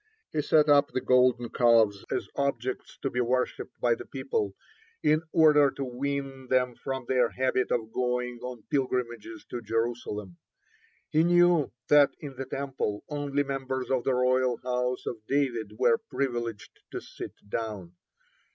He set up the golden calves as objects to be worshipped by the people, in order to wean them from their habit of going on pilgrimages to Jerusalem. He knew that in the Temple only members of the royal house of David were privileged to sit down.